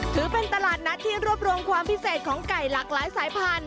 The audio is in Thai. ถือเป็นตลาดนัดที่รวบรวมความพิเศษของไก่หลากหลายสายพันธุ